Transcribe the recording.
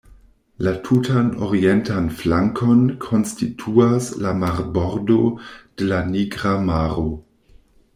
La tutan orientan flankon konstituas la marbordo de la Nigra Maro.